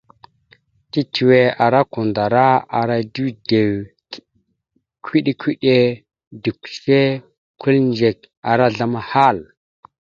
Tetʉwe ara kwandara, ara dʉdew, kʉɗe-kʉɗe, dʉkʉce, kʉlindzek, ara azzlam ahal.